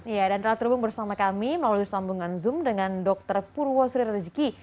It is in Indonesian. ya dan telah terhubung bersama kami melalui sambungan zoom dengan dr purwo sri rezeki